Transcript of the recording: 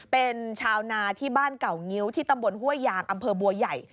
เป็นชาวนาที่บ้านเก่างิ้วที่ตำบลห้วยยางอำเภอบัวใหญ่